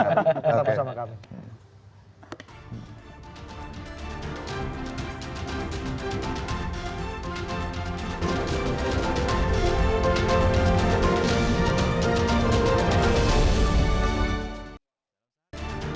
nah jadi masih suatu